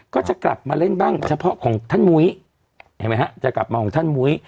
ก็จะกลับมาเล่นบ้างเฉพาะของท่านมุ้ยเห็นไหมฮะจะกลับมาของท่านมุ้ย